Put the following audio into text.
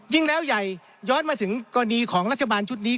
ยิ่งแล้วใหญ่ย้อนมาถึงกรณีของรัฐบาลชุดนี้